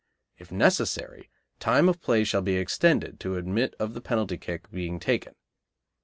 If necessary, time of play shall be extended to admit of the penalty kick being taken.